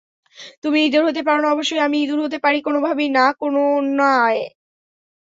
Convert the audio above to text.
তুমি ইঁদুর হতে পারোনা অবশ্যই আমি ইঁদুর হতে পারি কোনোভাবেই না কেনো নয়?